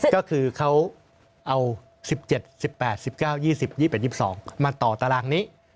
ก็คือเขาเอา๑๗๑๘๑๙๒๐๒๑๒๒มาต่อตารางนี้